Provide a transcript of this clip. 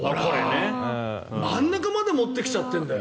真ん中まで持ってきちゃってるんだよ。